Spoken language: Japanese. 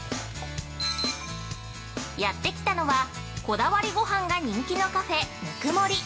やってきたのはこだわりごはんが人気のカフェぬく森。